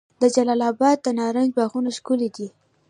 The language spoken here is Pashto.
د جلال اباد د نارنج باغونه ښکلي دي.